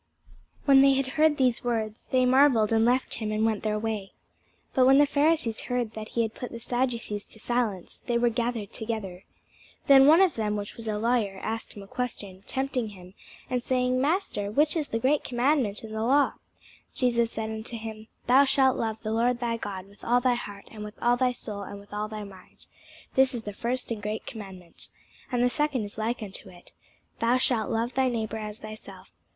When they had heard these words, they marvelled, and left him, and went their way. But when the Pharisees had heard that he had put the Sadducees to silence, they were gathered together. Then one of them, which was a lawyer, asked him a question, tempting him, and saying, Master, which is the great commandment in the law? Jesus said unto him, Thou shalt love the Lord thy God with all thy heart, and with all thy soul, and with all thy mind. This is the first and great commandment. And the second is like unto it, Thou shalt love thy neighbour as thyself.